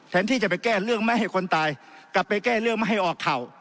ที่จะไปแก้เรื่องไม่ให้คนตายกลับไปแก้เรื่องไม่ให้ออกเข่า